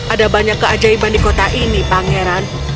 ada banyak keajaiban di kota ini pangeran